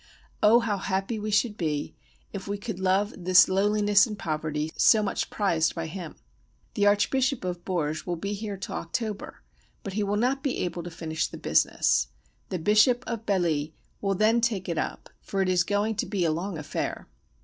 Oh how happy we should be if we could love this lowliness and poverty so much prized by him. The Archbishop of Bourges will be here till October; but he will not be able to finish the business. The Bishop of Belley will then take it up, for it is going to be a long affair.